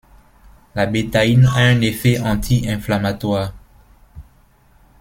La bétaïne a un effet anti-inflammatoire.